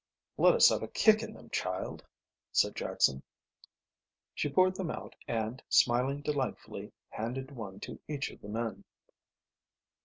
"Let us have a kick in them, child," said Jackson. She poured them out and smiling delightfully handed one to each of the men.